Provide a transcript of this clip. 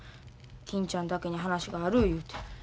金ちゃんだけに話がある言うて。